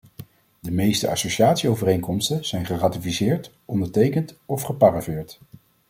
De meeste associatieovereenkomsten zijn geratificeerd, ondertekend of geparafeerd.